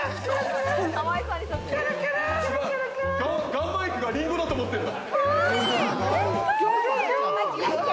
ガンマイクが、りんごだと思ってる。